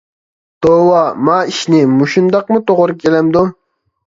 توۋا، ماۋۇ ئىشنى، مۇشۇنداقمۇ توغرا كېلەمدۇ!